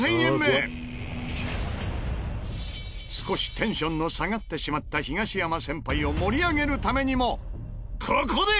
少しテンションの下がってしまった東山先輩を盛り上げるためにもここで！